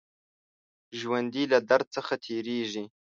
ژوندي له درد څخه تېرېږي